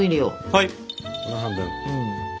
はい。